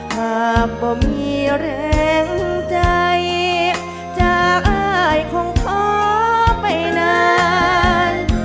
หากบ่มีแรงใจจากอ้ายคงท้อไปนาน